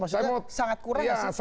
maksudnya sangat kurang gak sih pak lukman